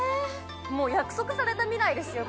もう約束された未来ですよ